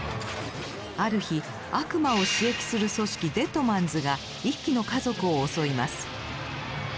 ある日悪魔を使役する組織デッドマンズが一輝の家族を襲います。